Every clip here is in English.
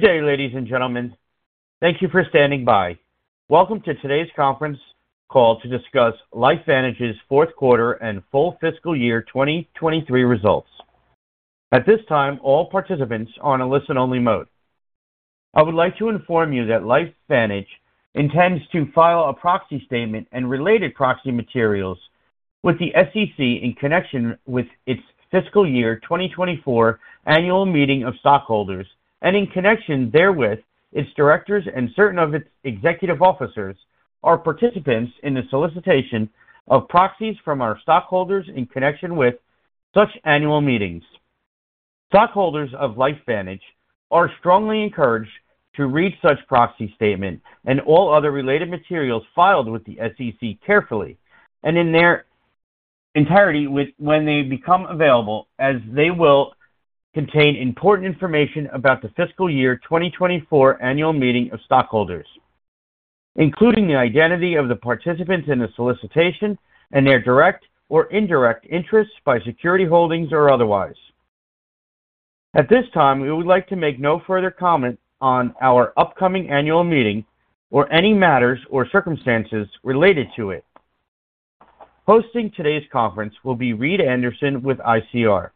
Good day, ladies and gentlemen. Thank you for standing by. Welcome to today's conference call to discuss LifeVantage's fourth quarter and full fiscal year 2023 results. At this time, all participants are on a listen-only mode. I would like to inform you that LifeVantage intends to file a proxy statement and related proxy materials with the SEC in connection with its fiscal year 2024 annual meeting of stockholders, and in connection therewith, its directors and certain of its executive officers are participants in the solicitation of proxies from our stockholders in connection with such annual meetings. Stockholders of LifeVantage are strongly encouraged to read such proxy statement and all other related materials filed with the SEC carefully and in their entirety when they become available, as they will contain important information about the fiscal year 2024 annual meeting of stockholders, including the identity of the participants in the solicitation and their direct or indirect interests by security holdings or otherwise. At this time, we would like to make no further comment on our upcoming annual meeting or any matters or circumstances related to it. Hosting today's conference will be Reed Anderson with ICR.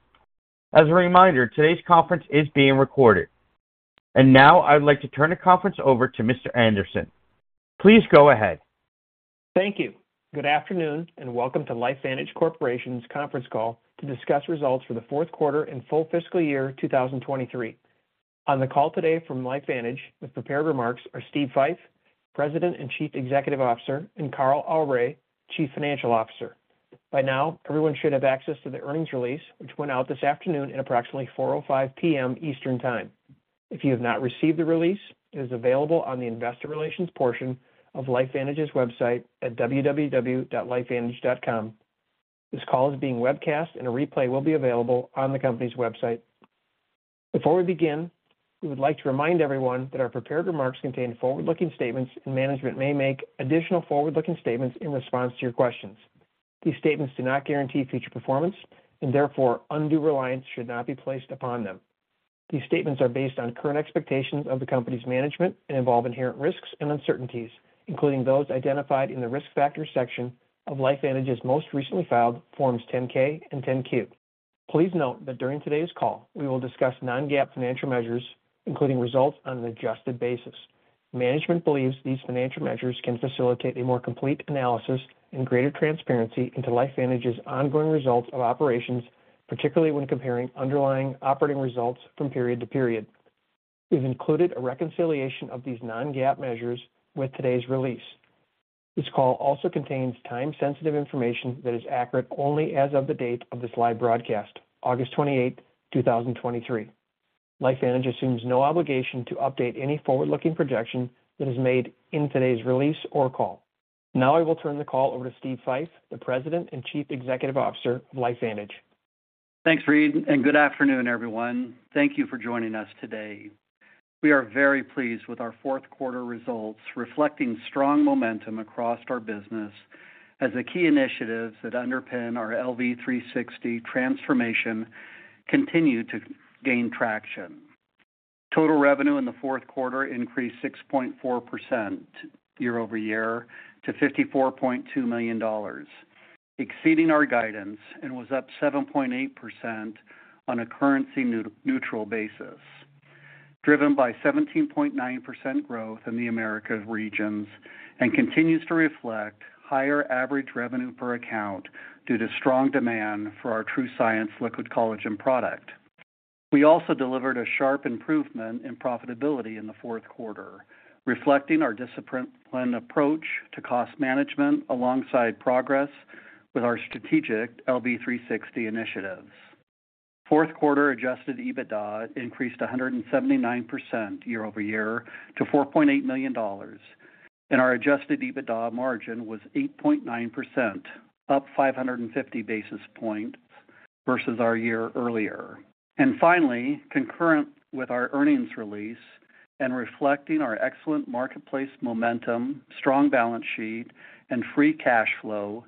As a reminder, today's conference is being recorded. And now I'd like to turn the conference over to Mr. Anderson. Please go ahead. Thank you. Good afternoon, and welcome to LifeVantage Corporation's conference call to discuss results for the fourth quarter and full fiscal year 2023. On the call today from LifeVantage, with prepared remarks, are Steve Fife, President and Chief Executive Officer, and Carl Aure, Chief Financial Officer. By now, everyone should have access to the earnings release, which went out this afternoon at approximately 4:05 P.M. Eastern Time. If you have not received the release, it is available on the investor relations portion of LifeVantage's website at www.lifevantage.com. This call is being webcast, and a replay will be available on the company's website. Before we begin, we would like to remind everyone that our prepared remarks contain forward-looking statements, and management may make additional forward-looking statements in response to your questions. These statements do not guarantee future performance, and therefore, undue reliance should not be placed upon them. These statements are based on current expectations of the company's management and involve inherent risks and uncertainties, including those identified in the Risk Factors section of LifeVantage's most recently filed Forms 10-K and 10-Q. Please note that during today's call, we will discuss non-GAAP financial measures, including results on an adjusted basis. Management believes these financial measures can facilitate a more complete analysis and greater transparency into LifeVantage's ongoing results of operations, particularly when comparing underlying operating results from period to period. We've included a reconciliation of these non-GAAP measures with today's release. This call also contains time-sensitive information that is accurate only as of the date of this live broadcast, August 28, 2023. LifeVantage assumes no obligation to update any forward-looking projection that is made in today's release or call. Now, I will turn the call over to Steve Fife, the President and Chief Executive Officer of LifeVantage. Thanks, Reed, and good afternoon, everyone. Thank you for joining us today. We are very pleased with our fourth quarter results, reflecting strong momentum across our business as the key initiatives that underpin our LV360 transformation continue to gain traction. Total revenue in the fourth quarter increased 6.4% year-over-year to $54.2 million, exceeding our guidance, and was up 7.8% on a currency-neutral basis, driven by 17.9% growth in the Americas regions and continues to reflect higher average revenue per account due to strong demand for our TrueScience Liquid Collagen product. We also delivered a sharp improvement in profitability in the fourth quarter, reflecting our disciplined approach to cost management alongside progress with our strategic LV360 initiatives. Fourth quarter adjusted EBITDA increased 179% year-over-year to $4.8 million, and our adjusted EBITDA margin was 8.9%, up 550 basis points versus our year earlier. Finally, concurrent with our earnings release and reflecting our excellent marketplace momentum, strong balance sheet, and free cash flow,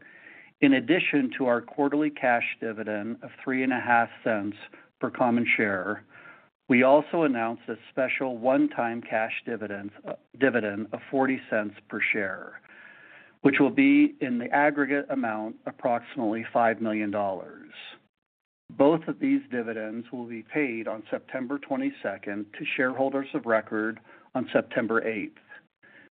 in addition to our quarterly cash dividend of $0.035 per common share, we also announced a special one-time cash dividend of $0.40 per share, which will be in the aggregate amount of approximately $5 million. Both of these dividends will be paid on September 22 to shareholders of record on September 8.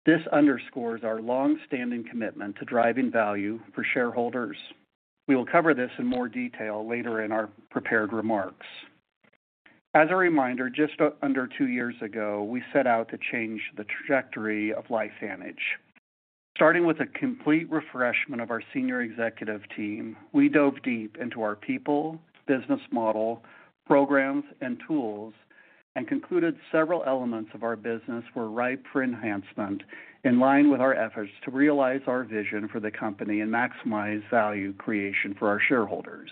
This underscores our long-standing commitment to driving value for shareholders. We will cover this in more detail later in our prepared remarks. As a reminder, just under two years ago, we set out to change the trajectory of LifeVantage. Starting with a complete refreshment of our senior executive team, we dove deep into our people, business model, programs, and tools, and concluded several elements of our business were ripe for enhancement, in line with our efforts to realize our vision for the company and maximize value creation for our shareholders.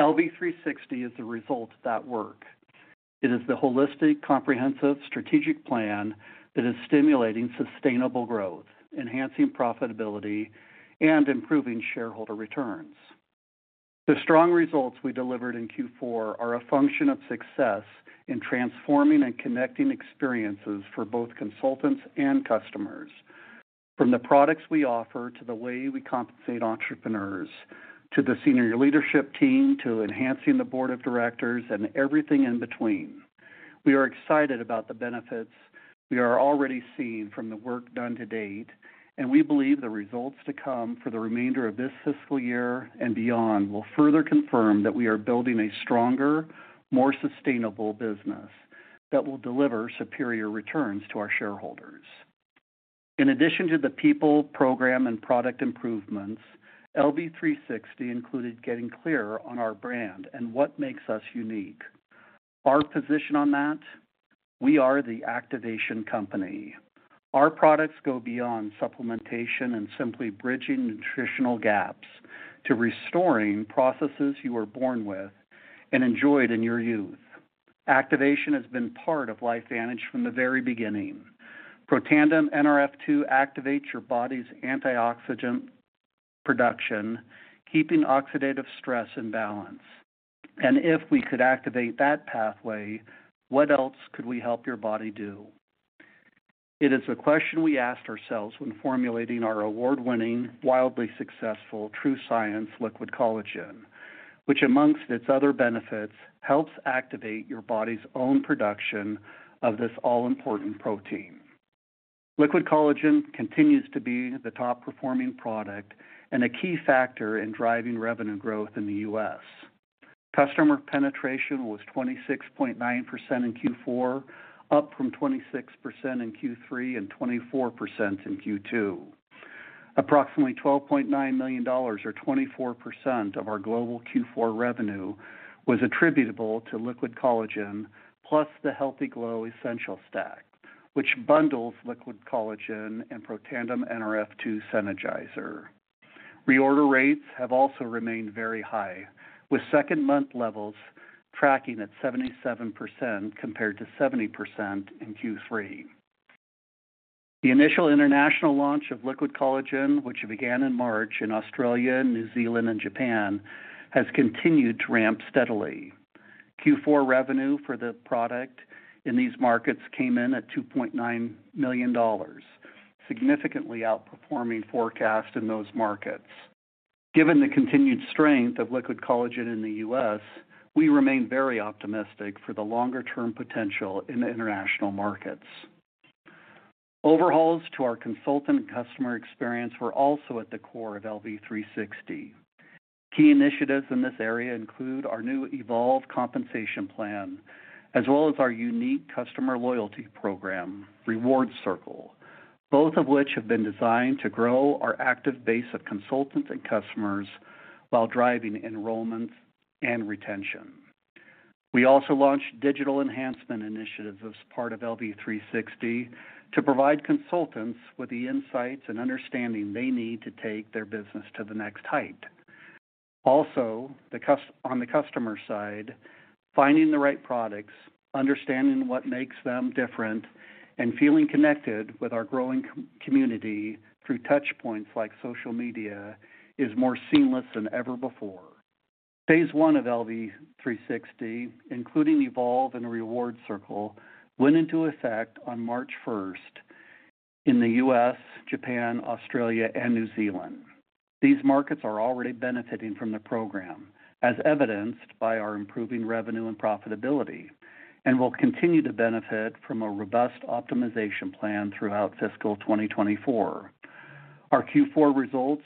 LV360 is the result of that work. It is the holistic, comprehensive strategic plan that is stimulating sustainable growth, enhancing profitability, and improving shareholder returns. The strong results we delivered in Q4 are a function of success in transforming and connecting experiences for both consultants and customers. From the products we offer, to the way we compensate entrepreneurs, to the senior leadership team, to enhancing the board of directors and everything in between. We are excited about the benefits we are already seeing from the work done to date, and we believe the results to come for the remainder of this fiscal year and beyond will further confirm that we are building a stronger, more sustainable business that will deliver superior returns to our shareholders. In addition to the people, program, and product improvements, LV360 included getting clear on our brand and what makes us unique. Our position on that, we are the activation company. Our products go beyond supplementation and simply bridging nutritional gaps to restoring processes you were born with and enjoyed in your youth. Activation has been part of LifeVantage from the very beginning. Protandim Nrf2 activates your body's antioxidant production, keeping oxidative stress in balance. And if we could activate that pathway, what else could we help your body do? It is a question we asked ourselves when formulating our award-winning, wildly successful TrueScience Liquid Collagen, which, amongst its other benefits, helps activate your body's own production of this all-important protein. Liquid Collagen continues to be the top-performing product and a key factor in driving revenue growth in the US. Customer penetration was 26.9% in Q4, up from 26% in Q3 and 24% in Q2. Approximately $12.9 million or 24% of our global Q4 revenue was attributable to Liquid Collagen, plus the Healthy Glow Essentials Stack, which bundles Liquid Collagen and Protandim Nrf2 Synergizer. Reorder rates have also remained very high, with second-month levels tracking at 77%, compared to 70% in Q3. The initial international launch of Liquid Collagen, which began in March in Australia, New Zealand, and Japan, has continued to ramp steadily. Q4 revenue for the product in these markets came in at $2.9 million, significantly outperforming forecasts in those markets. Given the continued strength of Liquid Collagen in the U.S., we remain very optimistic for the longer-term potential in the international markets. Overhauls to our consultant and customer experience were also at the core of LV360. Key initiatives in this area include our new Evolve Compensation Plan, as well as our unique customer loyalty program, Reward Circle, both of which have been designed to grow our active base of consultants and customers while driving enrollment and retention. We also launched digital enhancement initiatives as part of LV360 to provide consultants with the insights and understanding they need to take their business to the next height. Also, the customer side, finding the right products, understanding what makes them different, and feeling connected with our growing community through touchpoints like social media is more seamless than ever before. Phase one of LV360, including Evolve and Reward Circle, went into effect on March first in the U.S., Japan, Australia, and New Zealand. These markets are already benefiting from the program, as evidenced by our improving revenue and profitability, and will continue to benefit from a robust optimization plan throughout fiscal 2024. Our Q4 results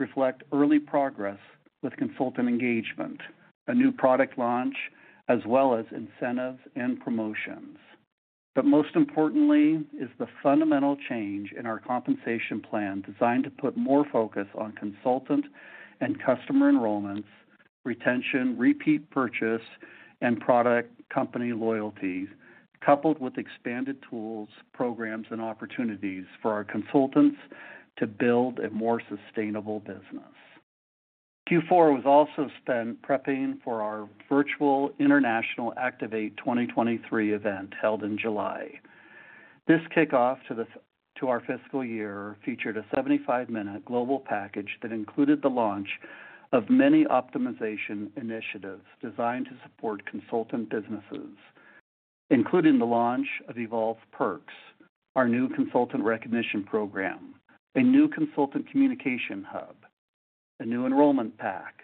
reflect early progress with consultant engagement, a new product launch, as well as incentives and promotions. But most importantly is the fundamental change in our compensation plan, designed to put more focus on consultant and customer enrollments, retention, repeat purchase, and product company loyalty, coupled with expanded tools, programs, and opportunities for our consultants to build a more sustainable business. Q4 was also spent prepping for our virtual International Activate 2023 event, held in July. This kickoff to our fiscal year featured a 75-minute global package that included the launch of many optimization initiatives designed to support consultant businesses, including the launch of Evolve Perks, our new consultant recognition program, a new consultant communication hub, a new enrollment pack,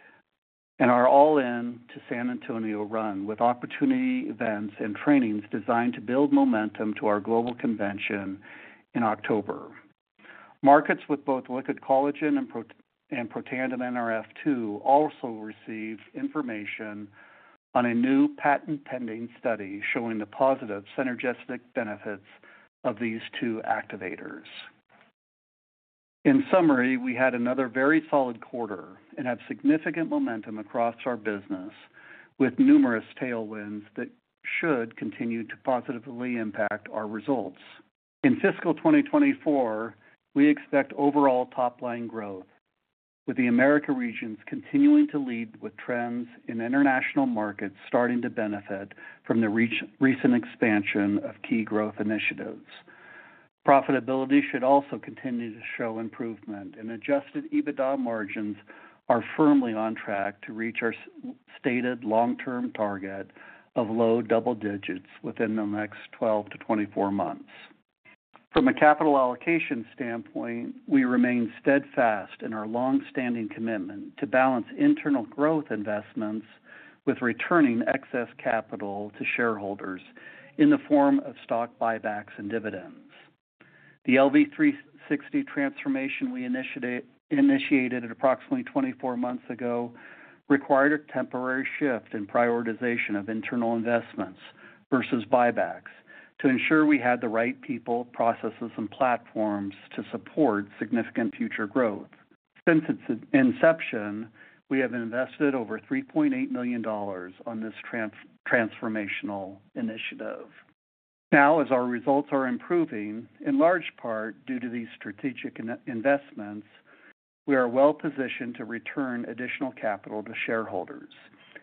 and our All-In to San Antonio run, with opportunity, events, and trainings designed to build momentum to our global convention in October. Markets with both Liquid Collagen and Protandim Nrf2 also received information on a new patent-pending study showing the positive synergistic benefits of these two activators. In summary, we had another very solid quarter and have significant momentum across our business, with numerous tailwinds that should continue to positively impact our results. In fiscal 2024, we expect overall top-line growth, with the America regions continuing to lead, with trends in international markets starting to benefit from the recent expansion of key growth initiatives. Profitability should also continue to show improvement, and adjusted EBITDA margins are firmly on track to reach our stated long-term target of low double digits within the next 12-24 months. From a capital allocation standpoint, we remain steadfast in our long-standing commitment to balance internal growth investments with returning excess capital to shareholders in the form of stock buybacks and dividends. The LV360 transformation we initiated at approximately 24 months ago required a temporary shift in prioritization of internal investments versus buybacks to ensure we had the right people, processes, and platforms to support significant future growth. Since its inception, we have invested over $3.8 million on this transformational initiative. Now, as our results are improving, in large part due to these strategic investments, we are well positioned to return additional capital to shareholders,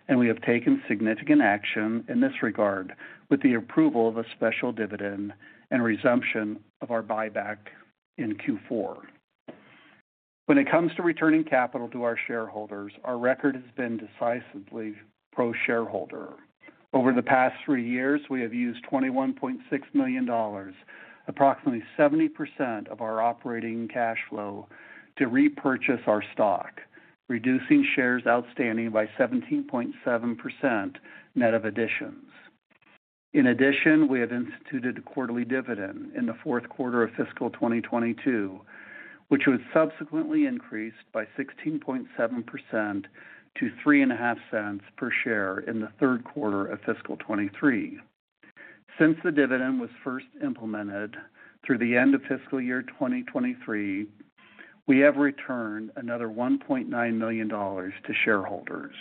and we have taken significant action in this regard with the approval of a special dividend and resumption of our buyback in Q4. When it comes to returning capital to our shareholders, our record has been decisively pro-shareholder. Over the past three years, we have used $21.6 million, approximately 70% of our operating cash flow, to repurchase our stock, reducing shares outstanding by 17.7% net of additions. In addition, we have instituted a quarterly dividend in the fourth quarter of fiscal 2022, which was subsequently increased by 16.7% to $0.035 per share in the third quarter of fiscal 2023. Since the dividend was first implemented, through the end of fiscal year 2023, we have returned another $1.9 million to shareholders.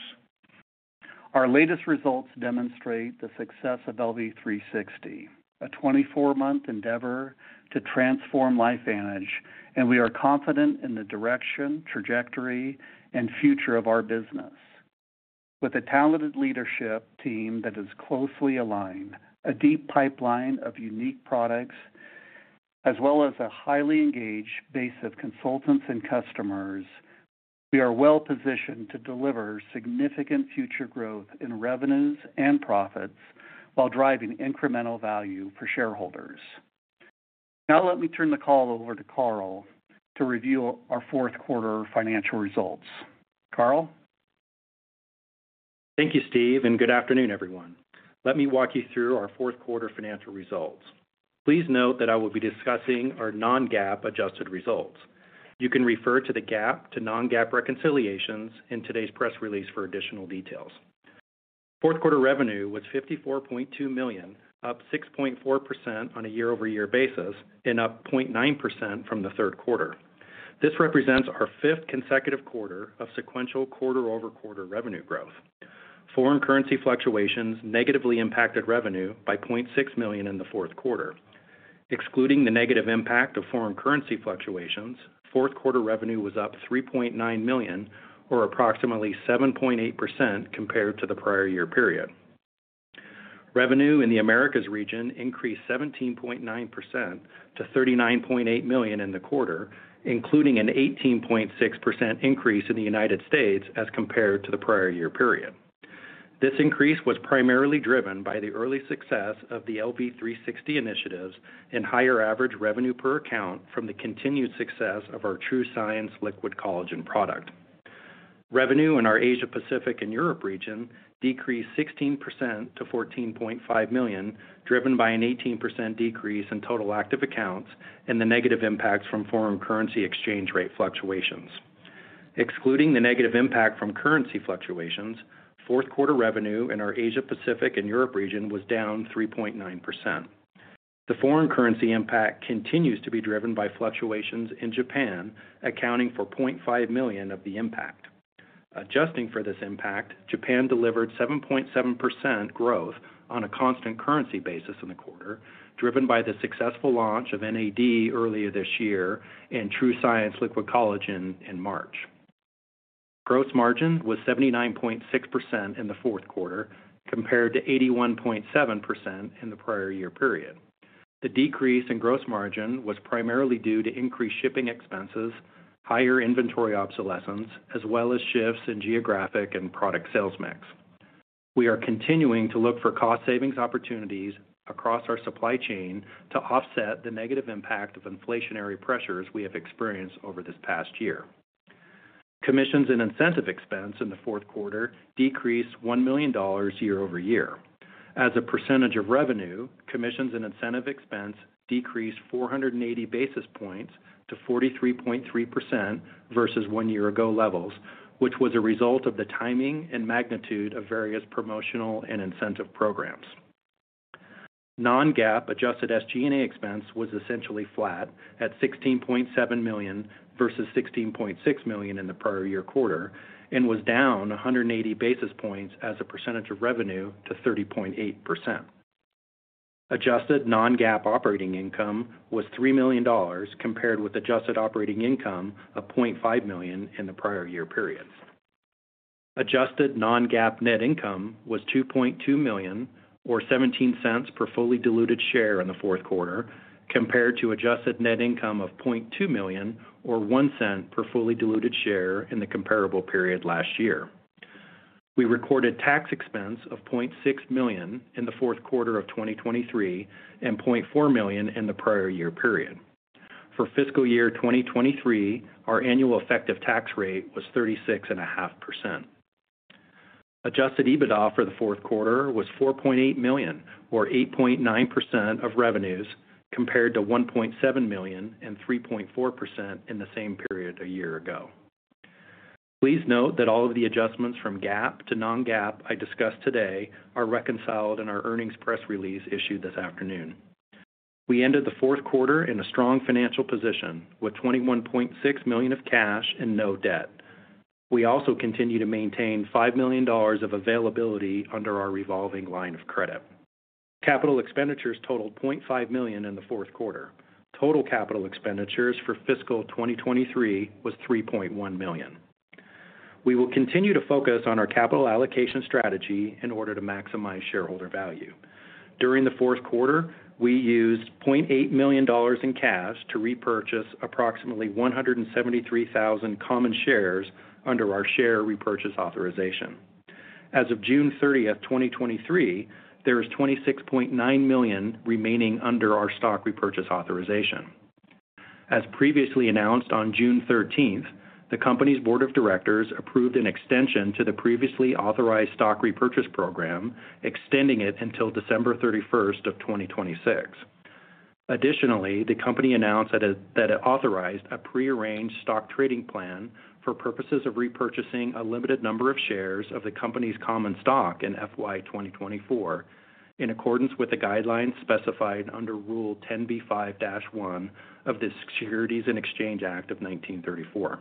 Our latest results demonstrate the success of LV360, a 24-month endeavor to transform LifeVantage, and we are confident in the direction, trajectory, and future of our business. With a talented leadership team that is closely aligned, a deep pipeline of unique products, as well as a highly engaged base of consultants and customers, we are well positioned to deliver significant future growth in revenues and profits while driving incremental value for shareholders. Now let me turn the call over to Carl to review our fourth quarter financial results. Carl? Thank you, Steve, and good afternoon, everyone. Let me walk you through our fourth quarter financial results. Please note that I will be discussing our non-GAAP adjusted results. You can refer to the GAAP to non-GAAP reconciliations in today's press release for additional details. Fourth quarter revenue was $54.2 million, up 6.4% on a year-over-year basis and up 0.9% from the third quarter. This represents our fifth consecutive quarter of sequential quarter-over-quarter revenue growth. Foreign currency fluctuations negatively impacted revenue by $0.6 million in the fourth quarter. Excluding the negative impact of foreign currency fluctuations, fourth quarter revenue was up $3.9 million, or approximately 7.8% compared to the prior year period. Revenue in the Americas region increased 17.9% to $39.8 million in the quarter, including an 18.6% increase in the United States as compared to the prior year period. This increase was primarily driven by the early success of the LV360 initiatives and higher average revenue per account from the continued success of our TrueScience Liquid Collagen product. Revenue in our Asia Pacific and Europe region decreased 16% to $14.5 million, driven by an 18% decrease in total active accounts and the negative impacts from foreign currency exchange rate fluctuations. Excluding the negative impact from currency fluctuations, fourth quarter revenue in our Asia Pacific and Europe region was down 3.9%. The foreign currency impact continues to be driven by fluctuations in Japan, accounting for $0.5 million of the impact. Adjusting for this impact, Japan delivered 7.7% growth on a constant currency basis in the quarter, driven by the successful launch of NAD earlier this year and TrueScience Liquid Collagen in March. Gross margin was 79.6% in the fourth quarter, compared to 81.7% in the prior year period. The decrease in gross margin was primarily due to increased shipping expenses, higher inventory obsolescence, as well as shifts in geographic and product sales mix. We are continuing to look for cost savings opportunities across our supply chain to offset the negative impact of inflationary pressures we have experienced over this past year. Commissions and incentive expense in the fourth quarter decreased $1 million year-over-year. As a percentage of revenue, commissions and incentive expense decreased 480 basis points to 43.3% versus one year ago levels, which was a result of the timing and magnitude of various promotional and incentive programs. Non-GAAP adjusted SG&A expense was essentially flat at $16.7 million versus $16.6 million in the prior year quarter and was down 180 basis points as a percentage of revenue to 30.8%. Adjusted non-GAAP operating income was $3 million, compared with adjusted operating income of $0.5 million in the prior year period. Adjusted non-GAAP net income was $2.2 million, or $0.17 per fully diluted share in the fourth quarter, compared to adjusted net income of $0.2 million, or $0.01 per fully diluted share in the comparable period last year. We recorded tax expense of $0.6 million in the fourth quarter of 2023, and $0.4 million in the prior year period. For fiscal year 2023, our annual effective tax rate was 36.5%. Adjusted EBITDA for the fourth quarter was $4.8 million, or 8.9% of revenues, compared to $1.7 million and 3.4% in the same period a year ago. Please note that all of the adjustments from GAAP to non-GAAP I discussed today are reconciled in our earnings press release issued this afternoon. We ended the fourth quarter in a strong financial position, with $21.6 million of cash and no debt. We also continue to maintain $5 million of availability under our revolving line of credit. Capital expenditures totaled $0.5 million in the fourth quarter. Total capital expenditures for fiscal 2023 was $3.1 million. We will continue to focus on our capital allocation strategy in order to maximize shareholder value. During the fourth quarter, we used $0.8 million in cash to repurchase approximately 173,000 common shares under our share repurchase authorization. As of June 30, 2023, there is $26.9 million remaining under our stock repurchase authorization. As previously announced on June 13, the company's board of directors approved an extension to the previously authorized stock repurchase program, extending it until December 31, 2026. Additionally, the company announced that it authorized a pre-arranged stock trading plan for purposes of repurchasing a limited number of shares of the company's common stock in FY 2024, in accordance with the guidelines specified under Rule 10b5-1 of the Securities and Exchange Act of 1934.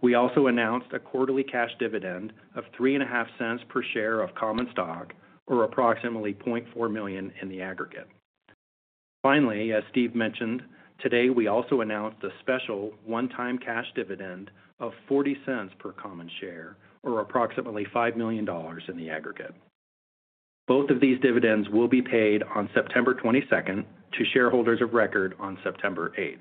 We also announced a quarterly cash dividend of $0.035 per share of common stock, or approximately $0.4 million in the aggregate. Finally, as Steve mentioned, today, we also announced a special one-time cash dividend of $0.40 per common share, or approximately $5 million in the aggregate. Both of these dividends will be paid on September 22nd to shareholders of record on September 8th.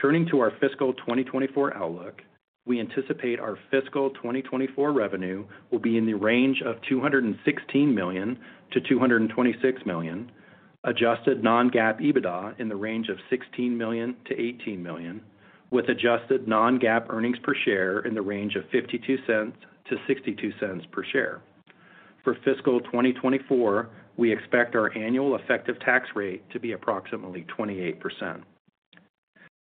Turning to our fiscal 2024 outlook, we anticipate our fiscal 2024 revenue will be in the range of $216 million-$226 million. Adjusted non-GAAP EBITDA in the range of $16 million-$18 million, with adjusted non-GAAP earnings per share in the range of $0.52-$0.62 per share. For fiscal 2024, we expect our annual effective tax rate to be approximately 28%.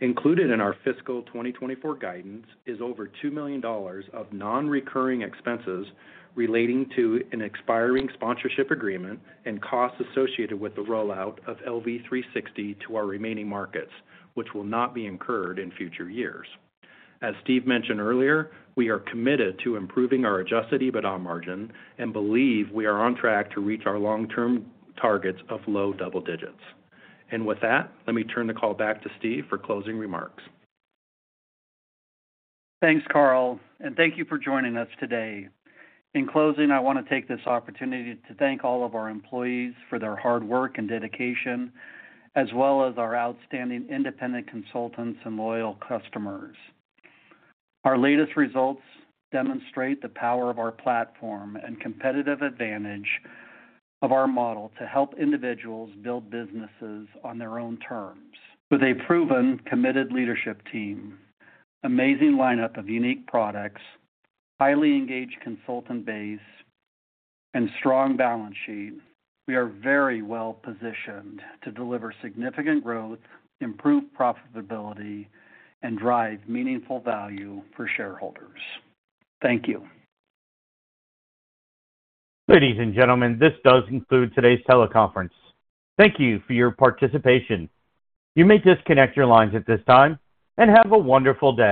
Included in our fiscal 2024 guidance is over $2 million of non-recurring expenses relating to an expiring sponsorship agreement and costs associated with the rollout of LV360 to our remaining markets, which will not be incurred in future years. As Steve mentioned earlier, we are committed to improving our adjusted EBITDA margin and believe we are on track to reach our long-term targets of low double digits. With that, let me turn the call back to Steve for closing remarks. Thanks, Carl, and thank you for joining us today. In closing, I want to take this opportunity to thank all of our employees for their hard work and dedication, as well as our outstanding independent consultants and loyal customers. Our latest results demonstrate the power of our platform and competitive advantage of our model to help individuals build businesses on their own terms. With a proven, committed leadership team, amazing lineup of unique products, highly engaged consultant base, and strong balance sheet, we are very well positioned to deliver significant growth, improve profitability, and drive meaningful value for shareholders. Thank you. Ladies and gentlemen, this does conclude today's teleconference. Thank you for your participation. You may disconnect your lines at this time, and have a wonderful day!